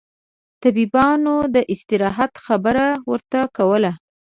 طبيبانو داستراحت خبره ورته کوله.